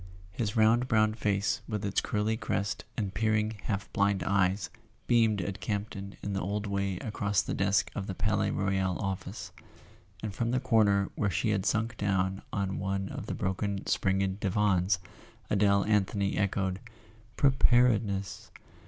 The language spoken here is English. His round brown face with its curly crest and peer¬ ing half blind eyes beamed at Campton in the old way across the desk of the Palais Royal office; and from the corner where she had sunk down on one of the broken springed divans, Adele Anthony echoed: "Preparedness!"